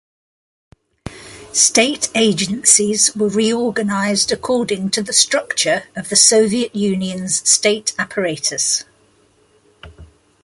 State agencies were reorganised according to the structure of the Soviet Union’s state apparatus.